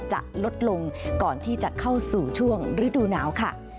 จะลดลงก่อนที่จะเข้าสู่ช่วงฤดูหนาวค่ะ